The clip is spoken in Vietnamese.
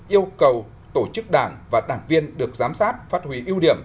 yêu cầu tổ chức đảng và đảng viên được giám sát phát huy ưu điểm